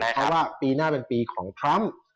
เพราะว่าปีหน้าเป็นปีของทรัมป์